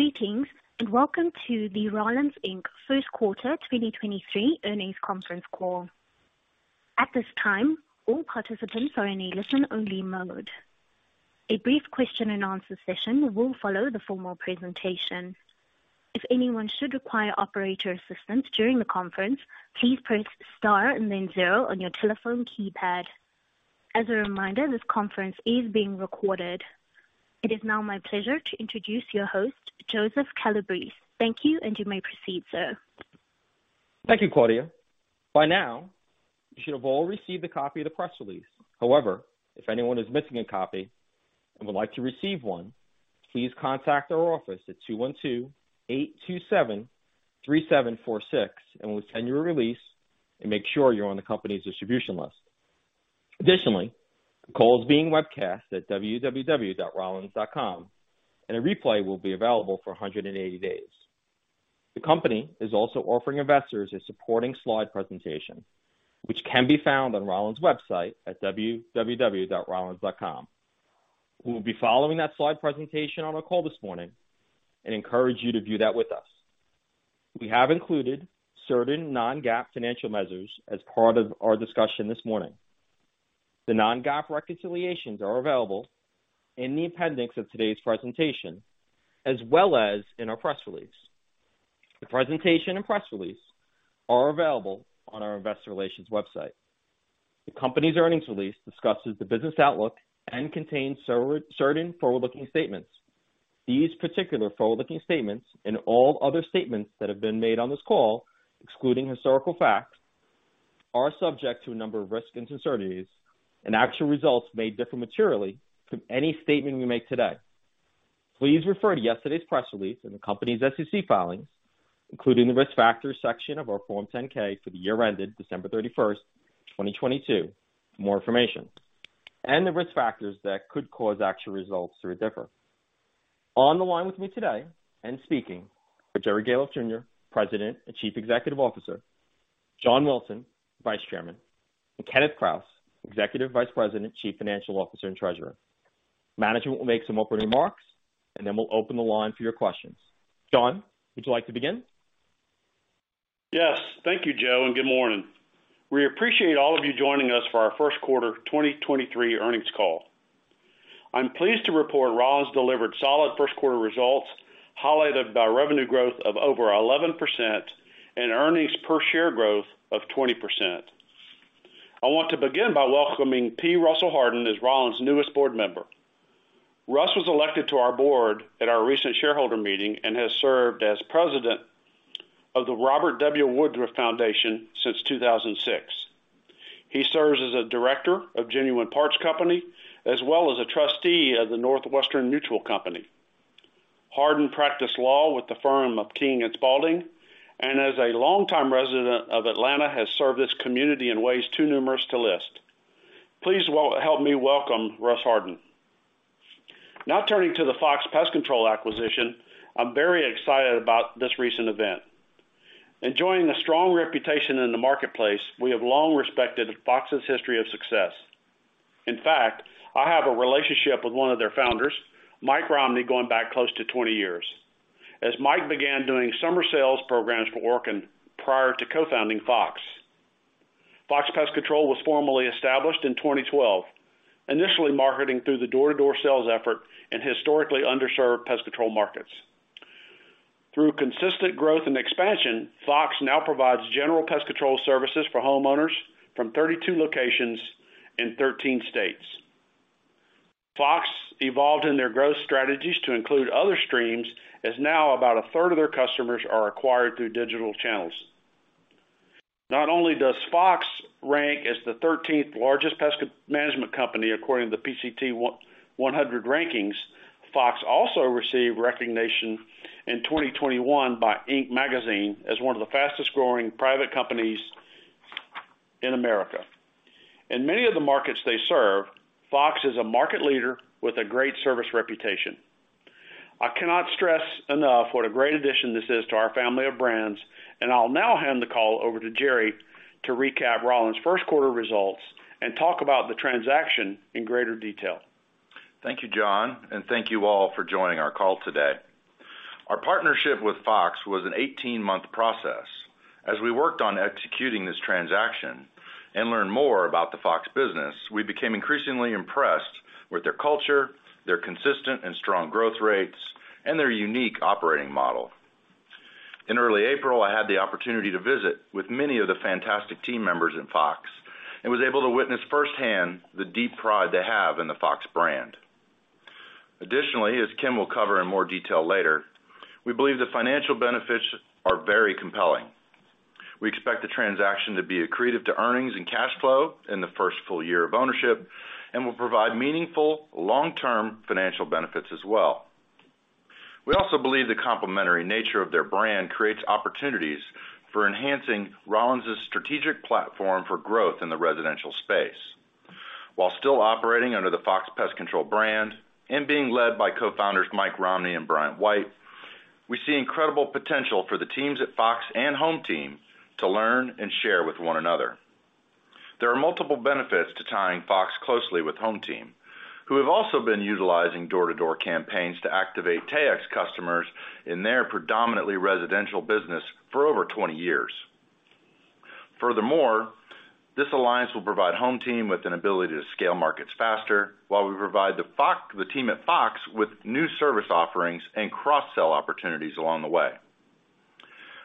Greetings, welcome to the Rollins, Inc. first quarter 2023 earnings conference call. At this time, all participants are in a listen-only mode. A brief question-and-answer session will follow the formal presentation. If anyone should require operator assistance during the conference, please press star and then zero on your telephone keypad. As a reminder, this conference is being recorded. It is now my pleasure to introduce your host, Joseph Calabrese. Thank you may proceed, sir. Thank you, Claudia. By now, you should have all received a copy of the press release. If anyone is missing a copy and would like to receive one, please contact our office at 212-827-3746, and we'll send you a release and make sure you're on the company's distribution list. The call is being webcast at www.rollins.com, and a replay will be available for 180 days. The company is also offering investors a supporting slide presentation, which can be found on Rollins' website at www.rollins.com. We will be following that slide presentation on our call this morning and encourage you to view that with us. We have included certain non-GAAP financial measures as part of our discussion this morning. The non-GAAP reconciliations are available in the appendix of today's presentation, as well as in our press release. The presentation and press release are available on our investor relations website. The company's earnings release discusses the business outlook and contains certain forward-looking statements. These particular forward-looking statements, and all other statements that have been made on this call, excluding historical facts, are subject to a number of risks and uncertainties. Actual results may differ materially from any statement we make today. Please refer to yesterday's press release in the company's SEC filings, including the Risk Factors section of our Form 10-K for the year ended December 31, 2022 for more information and the risk factors that could cause actual results to differ. On the line with me today and speaking are Jerry Gahlhoff, Jr., President and Chief Executive Officer; John Wilson, Vice Chairman; and Kenneth Krause, Executive Vice President, Chief Financial Officer, and Treasurer. Management will make some opening remarks, and then we'll open the line for your questions. John, would you like to begin? Yes. Thank you, Joe. Good morning. We appreciate all of you joining us for our first quarter 2023 earnings call. I'm pleased to report Rollins delivered solid first quarter results, highlighted by revenue growth of over 11% and earnings per share growth of 20%. I want to begin by welcoming P. Russell Hardin as Rollins' newest board member. Russ was elected to our board at our recent shareholder meeting and has served as president of the Robert W. Woodruff Foundation since 2006. He serves as a director of Genuine Parts Company, as well as a trustee of the Northwestern Mutual. Hardin practiced law with the firm of King & Spalding, and as a longtime resident of Atlanta, has served his community in ways too numerous to list. Please help me welcome Russ Hardin. Turning to the Fox Pest Control acquisition, I'm very excited about this recent event. Enjoying a strong reputation in the marketplace, we have long respected Fox's history of success. In fact, I have a relationship with one of their founders, Mike Romney, going back close to 20 years, as Mike began doing summer sales programs for Orkin prior to co-founding Fox. Fox Pest Control was formally established in 2012, initially marketing through the door-to-door sales effort in historically underserved pest control markets. Through consistent growth and expansion, Fox now provides general pest control services for homeowners from 32 locations in 13 states. Fox evolved in their growth strategies to include other streams, as now about 1/3 of their customers are acquired through digital channels. Not only does Fox rank as the 13th largest pest management company according to the PCT 100 rankings, Fox also received recognition in 2021 by Inc. magazine as one of the fastest-growing private companies in America. In many of the markets they serve, Fox is a market leader with a great service reputation. I cannot stress enough what a great addition this is to our family of brands. I'll now hand the call over to Jerry to recap Rollins' first quarter results and talk about the transaction in greater detail. Thank you, John, and thank you all for joining our call today. Our partnership with Fox was an 18-month process. As we worked on executing this transaction and learned more about the Fox business, we became increasingly impressed with their culture, their consistent and strong growth rates, and their unique operating model. In early April, I had the opportunity to visit with many of the fantastic team members at Fox and was able to witness firsthand the deep pride they have in the Fox brand. Additionally, as Ken will cover in more detail later, we believe the financial benefits are very compelling. We expect the transaction to be accretive to earnings and cash flow in the first full year of ownership and will provide meaningful long-term financial benefits as well. We also believe the complementary nature of their brand creates opportunities for enhancing Rollins' strategic platform for growth in the residential space. While still operating under the Fox Pest Control brand and being led by co-founders Mike Romney and Bryant White, we see incredible potential for the teams at Fox and HomeTeam to learn and share with one another. There are multiple benefits to tying Fox closely with HomeTeam, who have also been utilizing door-to-door campaigns to activate Taexx customers in their predominantly residential business for over 20 years. Furthermore, this alliance will provide HomeTeam with an ability to scale markets faster while we provide the team at Fox with new service offerings and cross-sell opportunities along the way.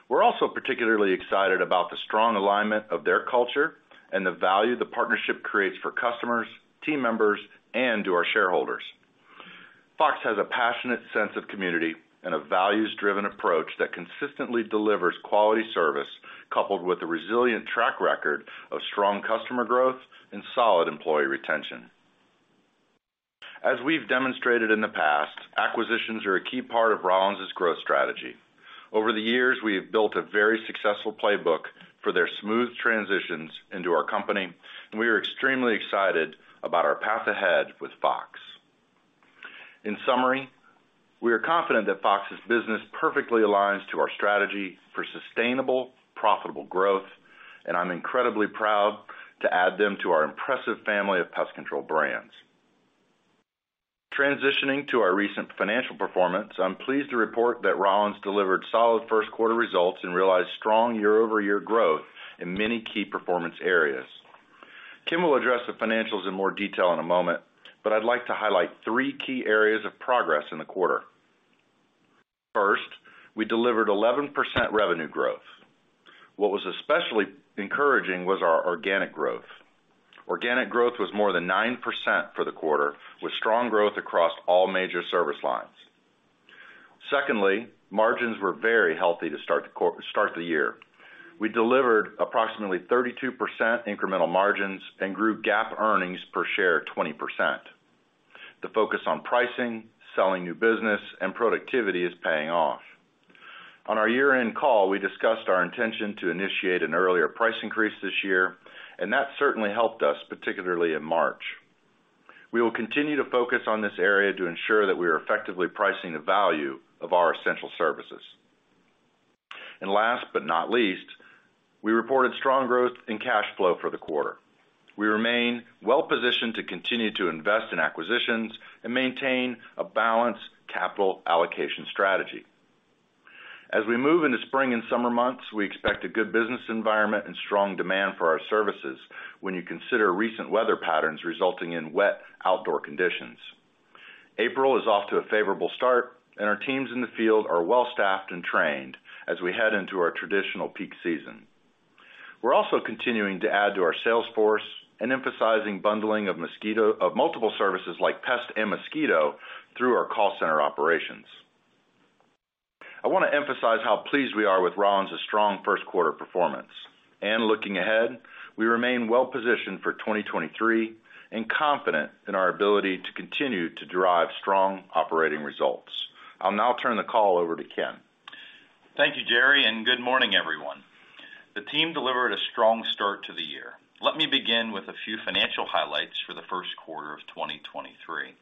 We're also particularly excited about the strong alignment of their culture and the value the partnership creates for customers, team members, and to our shareholders. Fox has a passionate sense of community and a values-driven approach that consistently delivers quality service, coupled with a resilient track record of strong customer growth and solid employee retention. As we've demonstrated in the past, acquisitions are a key part of Rollins's growth strategy. Over the years, we have built a very successful playbook for their smooth transitions into our company, and we are extremely excited about our path ahead with Fox. In summary, we are confident that Fox's business perfectly aligns to our strategy for sustainable, profitable growth, and I'm incredibly proud to add them to our impressive family of pest control brands. Transitioning to our recent financial performance, I'm pleased to report that Rollins delivered solid first quarter results and realized strong year-over-year growth in many key performance areas. Ken will address the financials in more detail in a moment, but I'd like to highlight three key areas of progress in the quarter. First, we delivered 11% revenue growth. What was especially encouraging was our organic growth. Organic growth was more than 9% for the quarter, with strong growth across all major service lines. Secondly, margins were very healthy to start the year. We delivered approximately 32% incremental margins and grew GAAP earnings per share of 20%. The focus on pricing, selling new business, and productivity is paying off. On our year-end call, we discussed our intention to initiate an earlier price increase this year, and that certainly helped us, particularly in March. We will continue to focus on this area to ensure that we are effectively pricing the value of our essential services. Last but not least, we reported strong growth in cash flow for the quarter. We remain well-positioned to continue to invest in acquisitions and maintain a balanced capital allocation strategy. As we move into spring and summer months, we expect a good business environment and strong demand for our services when you consider recent weather patterns resulting in wet outdoor conditions. April is off to a favorable start, and our teams in the field are well-staffed and trained as we head into our traditional peak season. We're also continuing to add to our sales force and emphasizing bundling of multiple services like pest and mosquito through our call center operations. I wanna emphasize how pleased we are with Rollins' strong first quarter performance. Looking ahead, we remain well-positioned for 2023 and confident in our ability to continue to derive strong operating results. I'll now turn the call over to Ken. Thank you, Jerry. Good morning, everyone. The team delivered a strong start to the year. Let me begin with a few financial highlights for the first quarter of 2023.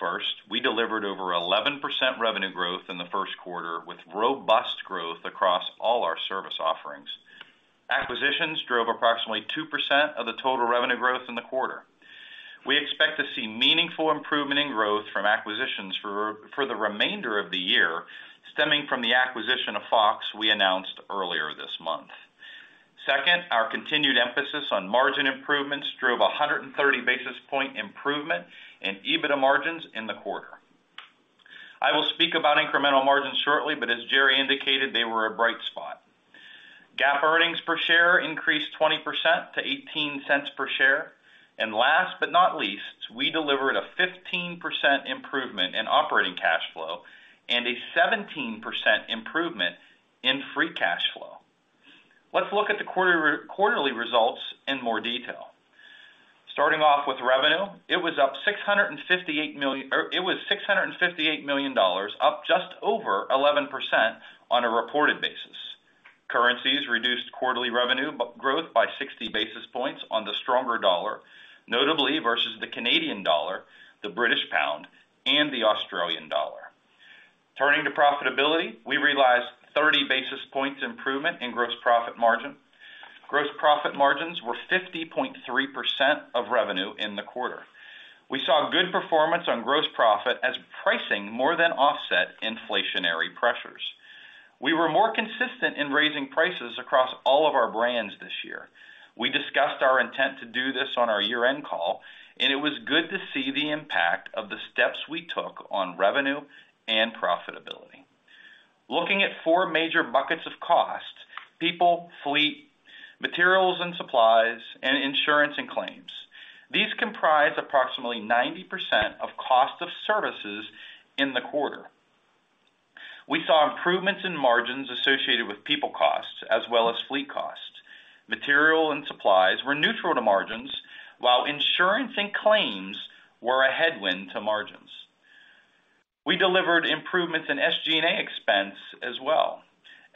First, we delivered over 11% revenue growth in the first quarter, with robust growth across all our service offerings. Acquisitions drove approximately 2% of the total revenue growth in the quarter. We expect to see meaningful improvement in growth from acquisitions for the remainder of the year stemming from the acquisition of Fox we announced earlier this month. Second, our continued emphasis on margin improvements drove a 130 basis point improvement in EBITDA margins in the quarter. I will speak about incremental margins shortly, as Jerry indicated, they were a bright spot. GAAP earnings per share increased 20% to $0.18 per share. Last but not least, we delivered a 15% improvement in operating cash flow and a 17% improvement in free cash flow. Let's look at the quarterly results in more detail. Starting off with revenue, it was $658 million, up just over 11% on a reported basis. Currencies reduced quarterly revenue growth by 60 basis points on the stronger dollar, notably versus the Canadian dollar, the British pound, and the Australian dollar. Turning to profitability, we realized 30 basis points improvement in gross profit margin. Gross profit margins were 50.3% of revenue in the quarter. We saw good performance on gross profit as pricing more than offset inflationary pressures. We were more consistent in raising prices across all of our brands this year. We discussed our intent to do this on our year-end call, and it was good to see the impact of the steps we took on revenue and profitability. Looking at 4 major buckets of cost: people, fleet, materials and supplies, and insurance and claims. These comprise approximately 90% of cost of services in the quarter. We saw improvements in margins associated with people costs as well as fleet costs. Material and supplies were neutral to margins, while insurance and claims were a headwind to margins. We delivered improvements in SG&A expense as well.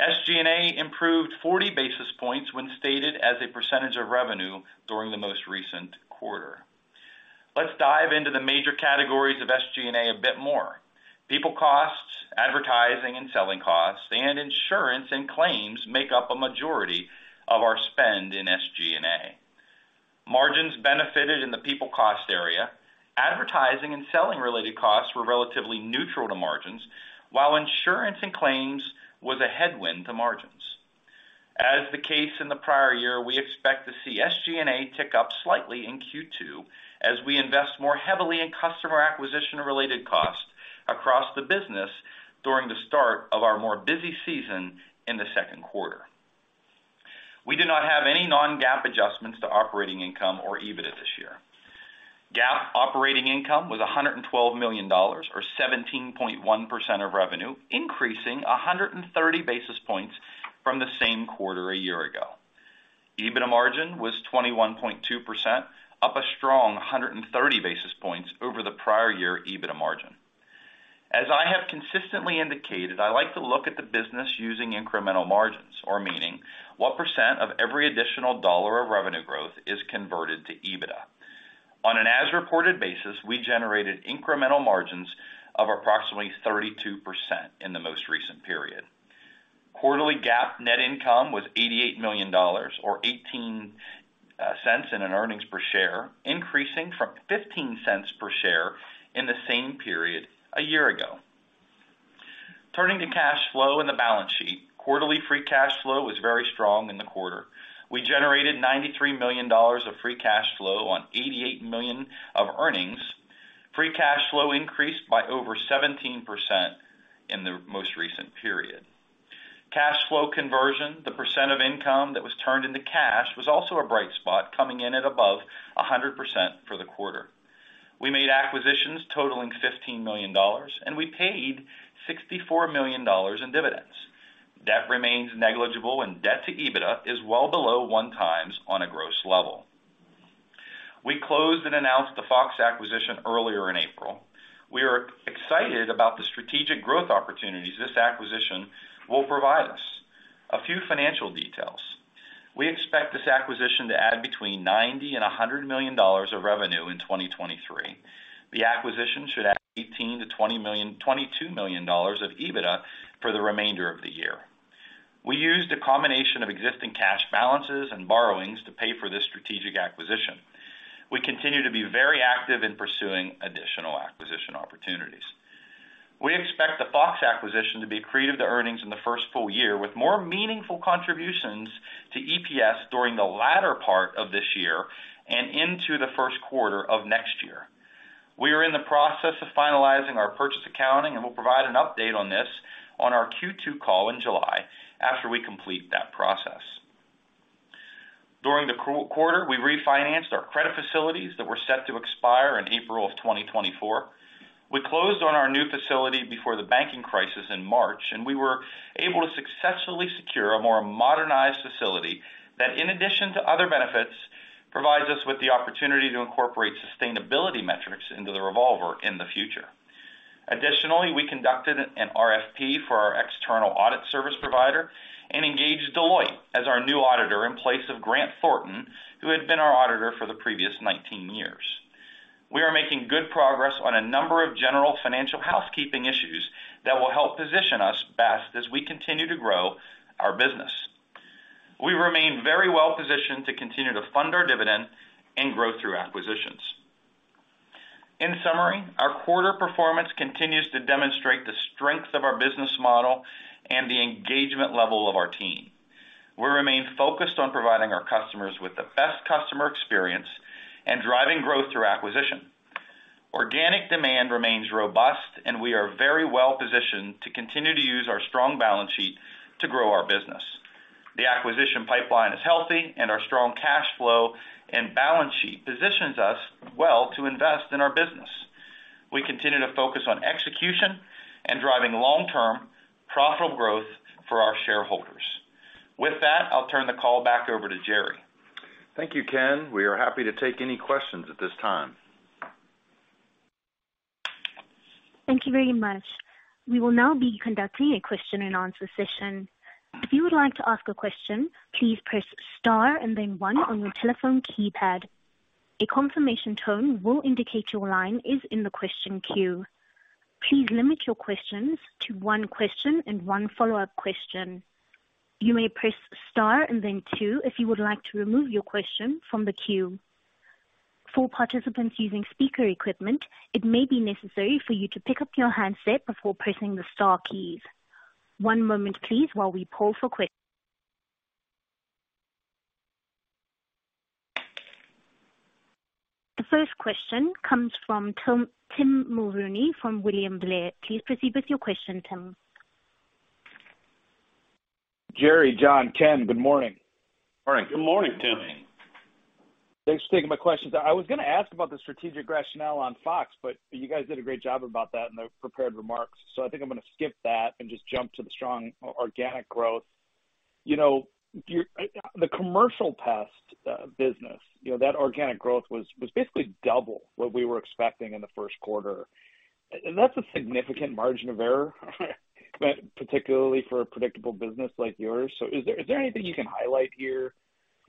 SG&A improved 40 basis points when stated as a percentage of revenue during the most recent quarter. Let's dive into the major categories of SG&A a bit more. People costs, advertising and selling costs, and insurance and claims make up a majority of our spend in SG&A. Margins benefited in the people cost area. Advertising and selling related costs were relatively neutral to margins, while insurance and claims was a headwind to margins. As the case in the prior year, we expect to see SG&A tick up slightly in Q2 as we invest more heavily in customer acquisition related costs across the business during the start of our more busy season in the second quarter. We did not have any non-GAAP adjustments to operating income or EBITDA this year. GAAP operating income was $112 million or 17.1% of revenue, increasing 130 basis points from the same quarter a year ago. EBITDA margin was 21.2%, up a strong 130 basis points over the prior year EBITDA margin. As I have consistently indicated, I like to look at the business using incremental margins, or meaning what % of every additional dollar of revenue growth is converted to EBITDA. On an as-reported basis, we generated incremental margins of approximately 32% in the most recent period. Quarterly GAAP net income was $88 million or $0.18 in an earnings per share, increasing from $0.15 per share in the same period a year ago. Turning to cash flow and the balance sheet. Quarterly free cash flow was very strong in the quarter. We generated $93 million of free cash flow on $88 million of earnings. Free cash flow increased by over 17% in the most recent period. Cash flow conversion, the % of income that was turned into cash, was also a bright spot, coming in at above 100% for the quarter. We made acquisitions totaling $15 million, and we paid $64 million in dividends. Debt remains negligible and Debt to EBITDA is well below 1 times on a gross level. We closed and announced the Fox acquisition earlier in April. We are excited about the strategic growth opportunities this acquisition will provide us. A few financial details. We expect this acquisition to add between $90 million and $100 million of revenue in 2023. The acquisition should add $18 million-$22 million of EBITDA for the remainder of the year. We used a combination of existing cash balances and borrowings to pay for this strategic acquisition. We continue to be very active in pursuing additional acquisition opportunities. We expect the Fox acquisition to be accretive to earnings in the first full year, with more meaningful contributions to EPS during the latter part of this year and into the first quarter of next year. We are in the process of finalizing our purchase accounting. We'll provide an update on this on our Q2 call in July after we complete that process. During the quarter, we refinanced our credit facilities that were set to expire in April of 2024. We closed on our new facility before the banking crisis in March. We were able to successfully secure a more modernized facility that, in addition to other benefits, provides us with the opportunity to incorporate sustainability metrics into the revolver in the future. Additionally, we conducted an RFP for our external audit service provider and engaged Deloitte as our new auditor in place of Grant Thornton, who had been our auditor for the previous 19 years. We are making good progress on a number of general financial housekeeping issues that will help position us best as we continue to grow our business. We remain very well positioned to continue to fund our dividend and grow through acquisitions. In summary, our quarter performance continues to demonstrate the strength of our business model and the engagement level of our team. We remain focused on providing our customers with the best customer experience and driving growth through acquisition. Organic demand remains robust and we are very well positioned to continue to use our strong balance sheet to grow our business. The acquisition pipeline is healthy. Our strong cash flow and balance sheet positions us well to invest in our business. We continue to focus on execution and driving long-term profitable growth for our shareholders. With that, I'll turn the call back over to Jerry. Thank you, Ken. We are happy to take any questions at this time. Thank you very much. We will now be conducting a question and answer session. If you would like to ask a question, please press star and then one on your telephone keypad. A confirmation tone will indicate your line is in the question queue. Please limit your questions to one question and one follow-up question. You may press star and then two if you would like to remove your question from the queue. For participants using speaker equipment, it may be necessary for you to pick up your handset before pressing the star keys. One moment please while we poll for The first question comes from Tim Mulrooney from William Blair. Please proceed with your question, Tim. Jerry, John, Ken, good morning. Morning. Good morning, Tim. Thanks for taking my questions. I was going to ask about the strategic rationale on Fox, but you guys did a great job about that in the prepared remarks. I think I'm going to skip that and just jump to the strong organic growth. You know, the commercial pest business, you know, that organic growth was basically double what we were expecting in the first quarter. That's a significant margin of error but particularly for a predictable business like yours. Is there anything you can highlight here?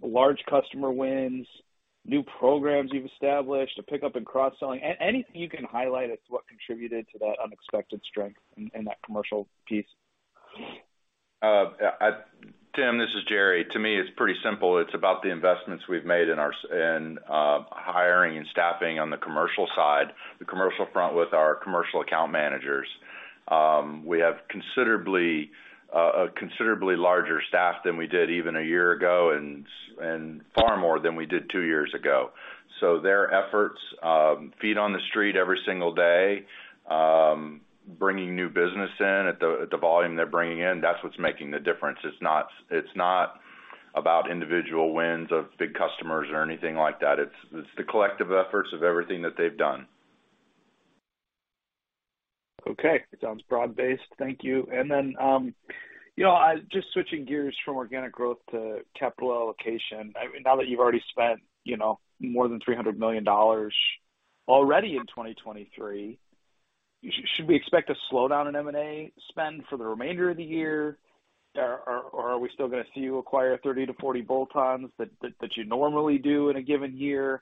Large customer wins, new programs you've established, a pickup in cross-selling. Anything you can highlight as to what contributed to that unexpected strength in that commercial piece. Tim, this is Jerry. To me, it's pretty simple. It's about the investments we've made in hiring and staffing on the commercial side, the commercial front with our commercial account managers. We have a considerably larger staff than we did even a year ago, and far more than we did two years ago. Their efforts, feet on the street every single day, bringing new business in at the volume they're bringing in, that's what's making the difference. It's not about individual wins of big customers or anything like that. It's the collective efforts of everything that they've done. Okay. It sounds broad-based. Thank you. You know, just switching gears from organic growth to capital allocation. I mean, now that you've already spent, you know, more than $300 million already in 2023, should we expect a slowdown in M&A spend for the remainder of the year? Or are we still gonna see you acquire 30-40 bolt-ons that you normally do in a given year?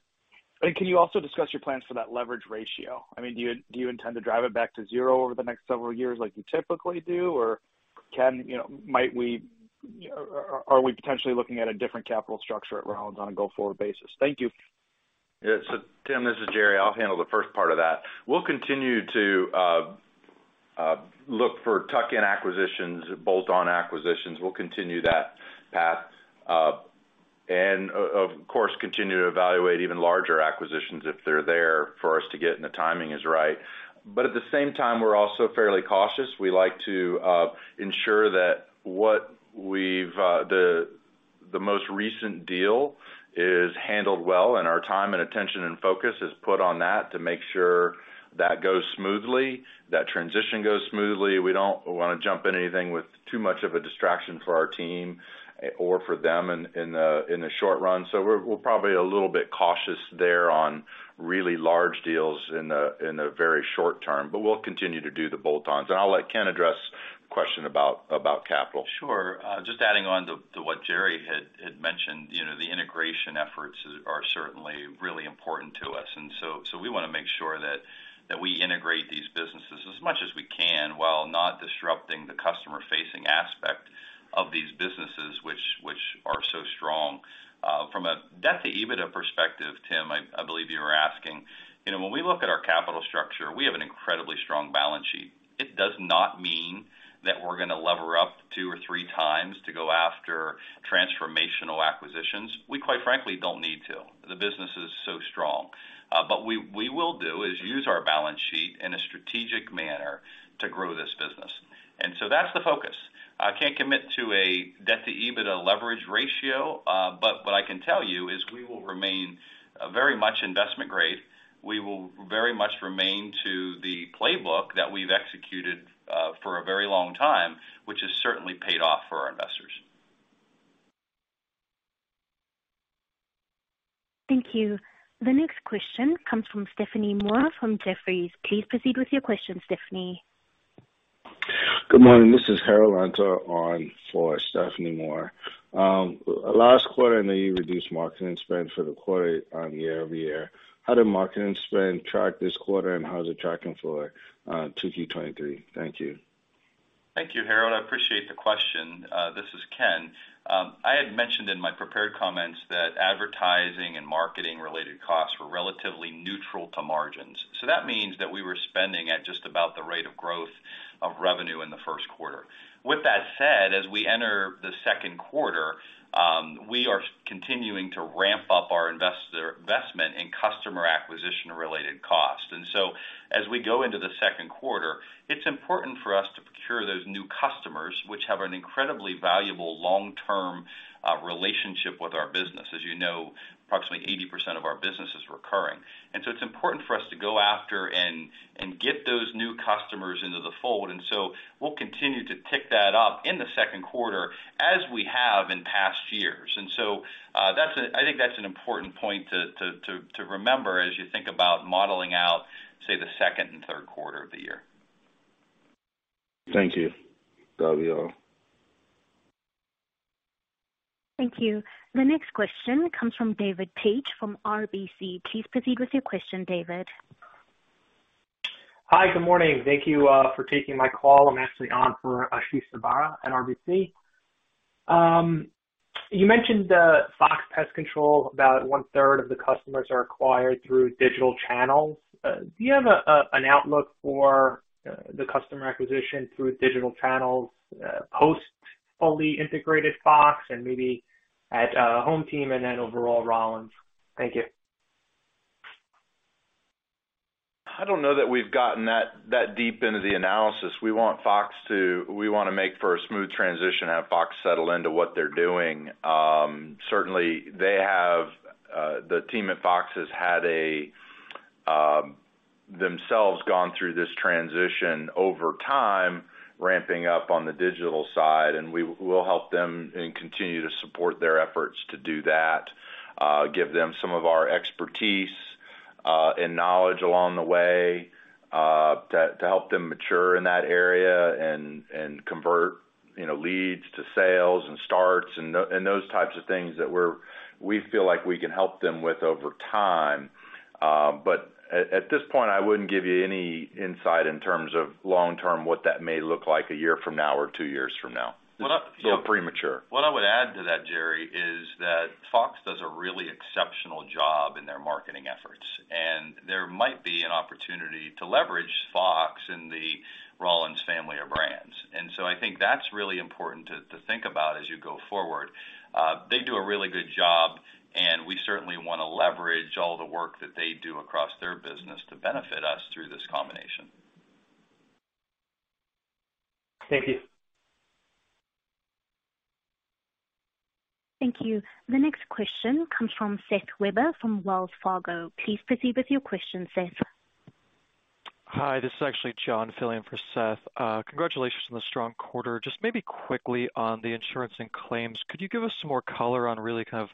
Can you also discuss your plans for that leverage ratio? I mean, do you intend to drive it back to 0 over the next several years like you typically do? Or you know, are we potentially looking at a different capital structure at Rollins on a go-forward basis? Thank you. Tim, this is Jerry. I'll handle the first part of that. We'll continue to look for tuck-in acquisitions, bolt-on acquisitions. We'll continue that path, and of course, continue to evaluate even larger acquisitions if they're there for us to get and the timing is right. At the same time, we're also fairly cautious. We like to ensure that what we've the most recent deal is handled well, and our time and attention and focus is put on that to make sure that goes smoothly, that transition goes smoothly. We don't wanna jump in anything with too much of a distraction for our team or for them in the short run. We're probably a little bit cautious there on really large deals in the very short term, but we'll continue to do the bolt-ons. I'll let Ken address the question about capital. Sure. just adding on to what Jerry had mentioned. You know, the integration efforts are certainly really important to us. So we wanna make sure that we integrate these businesses as much as we can while not disrupting the customer-facing aspect of these businesses, which are so strong. From a Debt to EBITDA perspective, Tim, I believe you were asking. You know, when we look at our capital structure, we have an incredibly strong balance sheet. It does not mean that we're gonna lever up 2 or 3 times to go after transformational acquisitions. We quite frankly don't need to. The business is so strong. but we will do is use our balance sheet in a strategic manner to grow this business. That's the focus. I can't commit to a debt-to-EBITDA leverage ratio, but what I can tell you is we will remain very much investment grade. We will very much remain to the playbook that we've executed for a very long time, which has certainly paid off for our investors. Thank you. The next question comes from Stephanie Moore from Jefferies. Please proceed with your question, Stephanie. Good morning. This is Harold Antor on for Stephanie Moore. Last quarter, I know you reduced marketing spend for the quarter on year-over-year. How did marketing spend track this quarter, and how is it tracking for 2Q 2023? Thank you. Thank you, Harold. I appreciate the question. This is Ken. I had mentioned in my prepared comments that advertising and marketing related costs were relatively neutral to margins. That means that we were spending at just about the rate of growth of revenue in the first quarter. With that said, as we enter the second quarter, we are continuing to ramp up our investment in customer acquisition related costs. As we go into the second quarter, it's important for us to procure those new customers, which have an incredibly valuable long-term relationship with our business. As you know, approximately 80% of our business is recurring, and so it's important for us to go after and get those new customers into the fold. We'll continue to tick that up in the second quarter as we have in past years. I think that's an important point to remember as you think about modeling out, say, the second and third quarter of the year. Thank you. That'll be all. Thank you. The next question comes from David Paige from RBC. Please proceed with your question, David. Hi. Good morning. Thank you for taking my call. I'm actually on for Ashish Sabadra at RBC. You mentioned Fox Pest Control, about 1/3 of the customers are acquired through digital channels. Do you have an outlook for the customer acquisition through digital channels, post fully integrated Fox and maybe at HomeTeam and then overall Rollins? Thank you. I don't know that we've gotten that deep into the analysis. We want Fox. We wanna make for a smooth transition and have Fox settle into what they're doing. Certainly, they have. The team at Fox has had themselves gone through this transition over time, ramping up on the digital side, and we'll help them and continue to support their efforts to do that, give them some of our expertise and knowledge along the way, to help them mature in that area and convert, you know, leads to sales and starts and those types of things that we feel like we can help them with over time. At this point, I wouldn't give you any insight in terms of long-term, what that may look like a year from now or two years from now. Well. Still premature. What I would add to that, Jerry, is that Fox does a really exceptional job in their marketing efforts, and there might be an opportunity to leverage Fox in the Rollins family of brands. I think that's really important to think about as you go forward. They do a really good job, and we certainly wanna leverage all the work that they do across their business to benefit us through this combination. Thank you. Thank you. The next question comes from Seth Weber from Wells Fargo. Please proceed with your question, Seth. Hi, this is actually John filling in for Seth. Congratulations on the strong quarter. Just maybe quickly on the insurance and claims, could you give us some more color on really kind of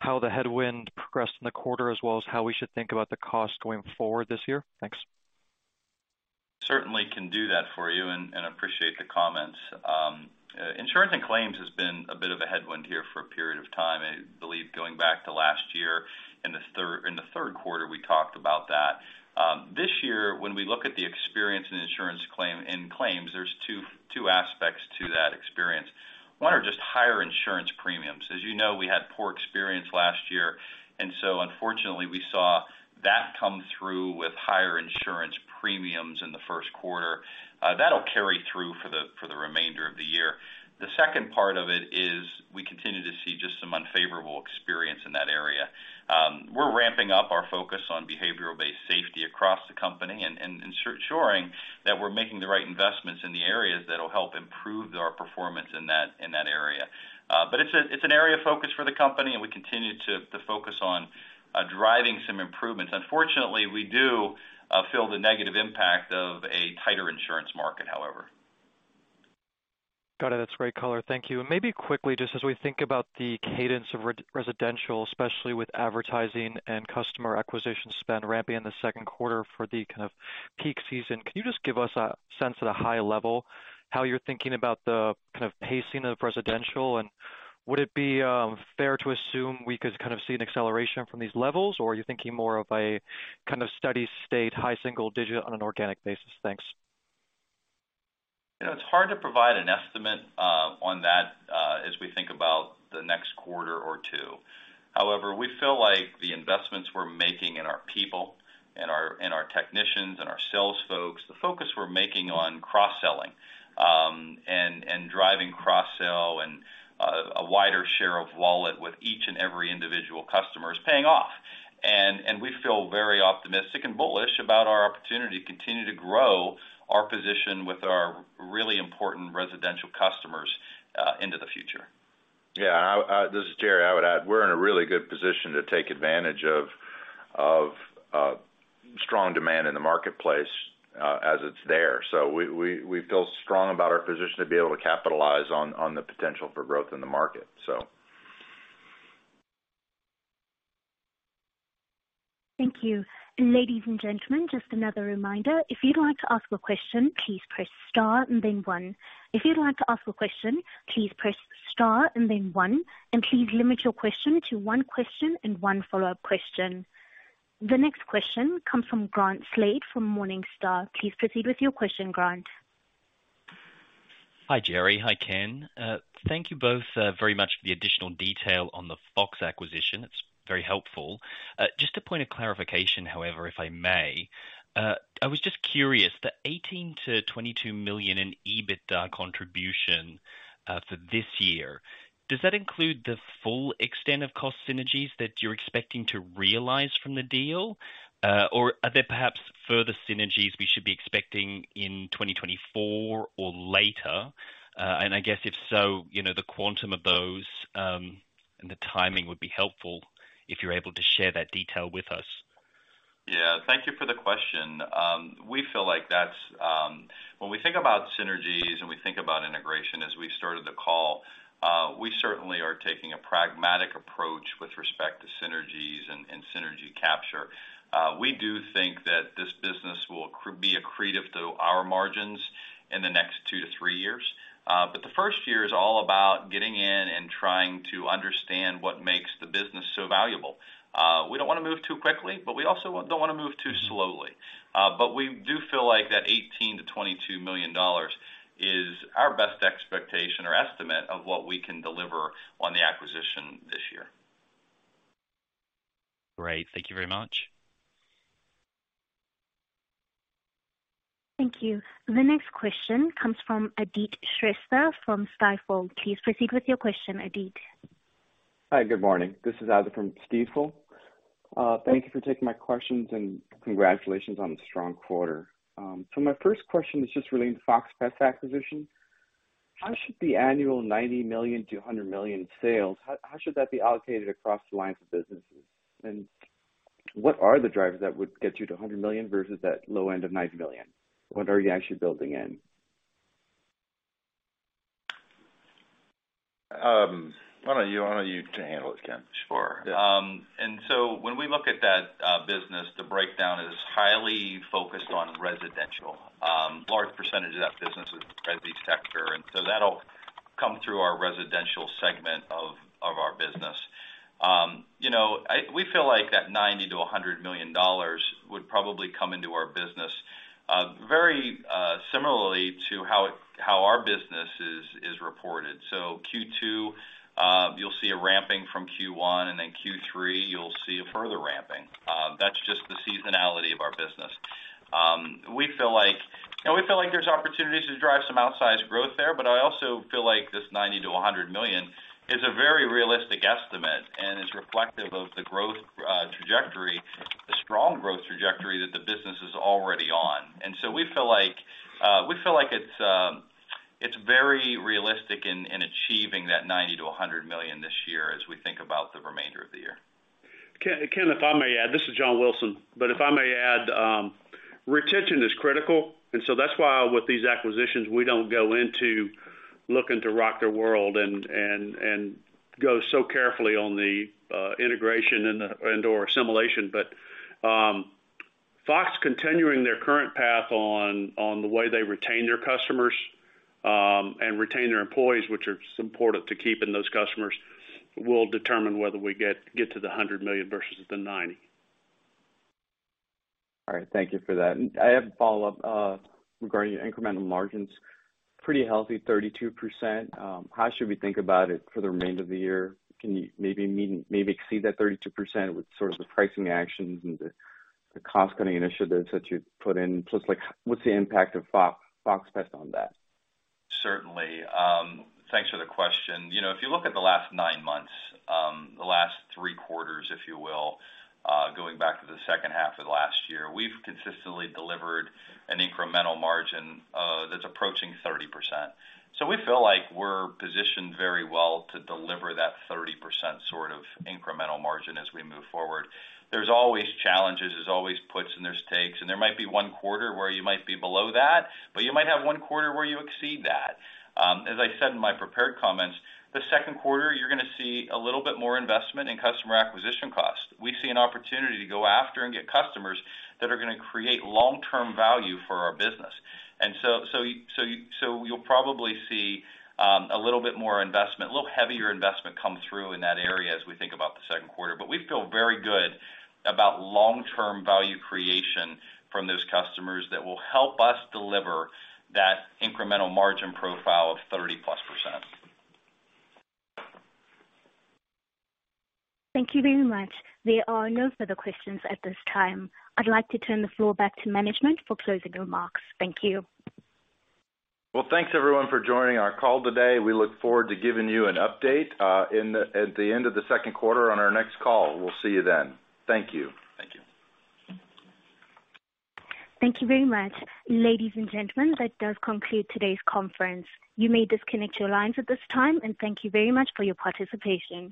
how the headwind progressed in the quarter as well as how we should think about the cost going forward this year? Thanks. Certainly can do that for you and appreciate the comments. Insurance and claims has been a bit of a headwind here for a period of time, I believe going back to last year. In the third quarter, we talked about that. This year, when we look at the experience in claims, there's two aspects to that experience. One are just higher insurance premiums. As you know, we had poor experience last year, and so unfortunately we saw that come through with higher insurance premiums in the first quarter. That'll carry through for the remainder of the year. The second part of it is we continue to see just some unfavorable experience in that area. We're ramping up our focus on behavioral-based safety across the company and ensuring that we're making the right investments in the areas that'll help improve our performance in that area. It's an area of focus for the company, and we continue to focus on driving some improvements. Unfortunately, we do feel the negative impact of a tighter insurance market, however. Got it. That's great color. Thank you. Maybe quickly, just as we think about the cadence of residential, especially with advertising and customer acquisition spend ramping in the second quarter for the kind of peak season, can you just give us a sense at a high level how you're thinking about the kind of pacing of residential? Would it be, fair to assume we could kind of see an acceleration from these levels, or are you thinking more of a kind of steady state, high single digit on an organic basis? Thanks. You know, it's hard to provide an estimate, on that, as we think about the next quarter or two. However, we feel like the investments we're making in our people and our technicians and our sales folks, the focus we're making on cross-selling, and driving cross-sell and a wider share of wallet with each and every individual customer is paying off. We feel very optimistic and bullish about our opportunity to continue to grow our position with our really important residential customers, into the future. Yeah. This is Jerry. I would add, we're in a really good position to take advantage of strong demand in the marketplace, as it's there. We feel strong about our position to be able to capitalize on the potential for growth in the market. Thank you. Ladies and gentlemen, just another reminder, if you'd like to ask a question, please press star and then one. If you'd like to ask a question, please press star and then one, and please limit your question to one question and one follow-up question. The next question comes from Grant Slade from Morningstar. Please proceed with your question, Grant. Hi, Jerry. Hi, Ken. Thank you both very much for the additional detail on the Fox acquisition. It's very helpful. Just a point of clarification, however, if I may. I was just curious, the $18 million-$22 million in EBITDA contribution for this year, does that include the full extent of cost synergies that you're expecting to realize from the deal? Are there perhaps further synergies we should be expecting in 2024 or later? I guess if so, you know, the quantum of those, and the timing would be helpful if you're able to share that detail with us. Thank you for the question. We feel like that's. When we think about synergies and we think about integration as we started the call, we certainly are taking a pragmatic approach with respect to synergies and synergy capture. We do think that this business will be accretive to our margins in the next 2-3 years. The first year is all about getting in and trying to understand what makes the business so valuable. We don't wanna move too quickly, we also don't wanna move too slowly. We do feel like that $18 million-$22 million is our best expectation or estimate of what we can deliver on the acquisition this year. Great. Thank you very much. Thank you. The next question comes from Aadit Shrestha from Stifel. Please proceed with your question, Aadit. Hi, good morning. This is Aadit from Stifel. Thank you for taking my questions, and congratulations on the strong quarter. My first question is just relating to the Fox Pest acquisition. How should the annual $90 million-$100 million in sales, how should that be allocated across the lines of businesses? What are the drivers that would get you to $100 million versus that low end of $90 million? What are you actually building in? Why don't you handle it, Ken? Sure. When we look at that business, the breakdown is highly focused on residential. Large percentage of that business is the resi sector, that'll come through our residential segment of our business. You know, we feel like that $90 million-$100 million would probably come into our business very similarly to how our business is reported. Q2, you'll see a ramping from Q1, Q3 you'll see a further ramping. That's just the seasonality of our business. We feel like there's opportunities to drive some outsized growth there, but I also feel like this $90 million-$100 million is a very realistic estimate and is reflective of the growth trajectory, the strong growth trajectory that the business is already on. We feel like it's very realistic in achieving that $90 million-$100 million this year as we think about the remainder of the year. Ken, if I may add, this is John Wilson. If I may add, retention is critical, that's why with these acquisitions, we don't go into looking to rock their world and go so carefully on the integration and/or assimilation. Fox continuing their current path on the way they retain their customers and retain their employees, which are important to keeping those customers, will determine whether we get to the $100 million versus the $90 million. All right. Thank you for that. I have a follow-up regarding incremental margins. Pretty healthy 32%. How should we think about it for the remainder of the year? Can you maybe even exceed that 32% with sort of the pricing actions and the cost-cutting initiatives that you've put in? It's like what's the impact of Fox Pest on that? Certainly. Thanks for the question. You know, if you look at the last 9 months, the last 3 quarters, if you will, going back to the second half of last year, we've consistently delivered an incremental margin that's approaching 30%. We feel like we're positioned very well to deliver that 30% sort of incremental margin as we move forward. There's always challenges. There's always puts, and there's takes. There might be 1 quarter where you might be below that, but you might have 1 quarter where you exceed that. As I said in my prepared comments, the second quarter, you're gonna see a little bit more investment in customer acquisition costs. We see an opportunity to go after and get customers that are gonna create long-term value for our business. You'll probably see a little bit more investment, a little heavier investment come through in that area as we think about the second quarter. We feel very good about long-term value creation from those customers that will help us deliver that incremental margin profile of 30%+. Thank you very much. There are no further questions at this time. I'd like to turn the floor back to management for closing remarks. Thank you. Well, thanks everyone for joining our call today. We look forward to giving you an update, at the end of the second quarter on our next call. We'll see you then. Thank you. Thank you. Thank you very much. Ladies and gentlemen, that does conclude today's conference. You may disconnect your lines at this time, and thank you very much for your participation.